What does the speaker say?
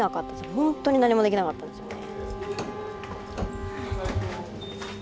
ほんとに何もできなかったんですよね。